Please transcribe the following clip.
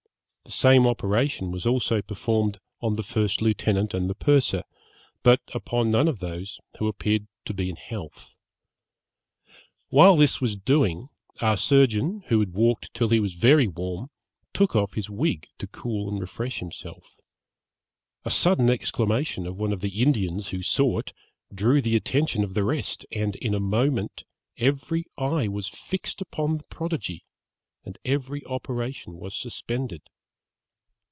The same operation was also performed on the first lieutenant and the purser, but upon none of those who appeared to be in health. While this was doing, our surgeon, who had walked till he was very warm, took off his wig to cool and refresh himself: a sudden exclamation of one of the Indians, who saw it, drew the attention of the rest, and in a moment every eye was fixed upon the prodigy, and every operation was suspended.